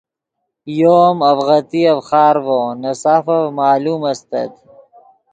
یو ام اڤغتیف خارڤو نے سافف معلوم استت